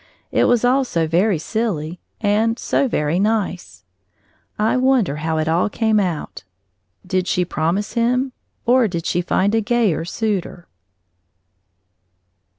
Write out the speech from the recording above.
It was all so very silly and so very nice! I wonder how it all came out. Did she promise him? Or did she find a gayer suitor?